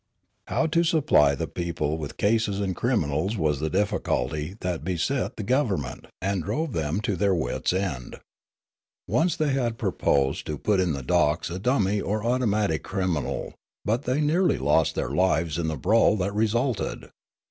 How to supph' the people with cases and criminals was the difficult}^ that beset the government, and drove Witlingen and Adjacent Islands 263 them to their wits' ends. Once they had proposed to put in the dock a dummy or automatic criminal ; but they nearly lost their lives in the brawl that resulted.